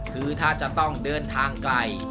คือถ้าจะต้องเดินทางไกล